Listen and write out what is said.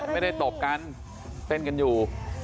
ไม่ได้ตกกันเต้นกันอยู่